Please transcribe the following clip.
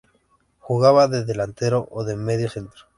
Jugaba de delantero o de medio centro.